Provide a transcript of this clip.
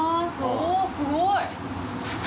おすごい。